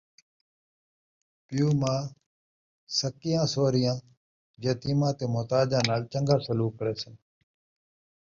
پِیو ماء، سَکیاں سوہریاں، یتیماں تے محتاجاں نال چن٘ڳا سلوک کریسن،